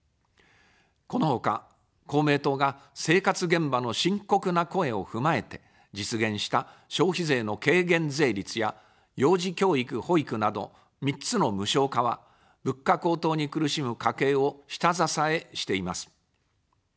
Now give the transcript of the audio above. このほか、公明党が生活現場の深刻な声を踏まえて実現した消費税の軽減税率や幼児教育・保育など３つの無償化は、物価高騰に苦しむ家計を下支えしています。